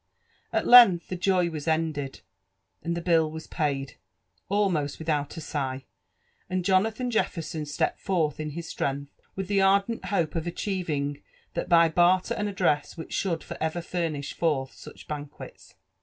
A( length the joy was ended, and the bill was paid — almost wi(hou( a sigh ; and Jona(han Jefferson stepped forth in his s(reng(h, with the ardent hope of achieving that by barter and address which should for ever furnish for(h such banque(s.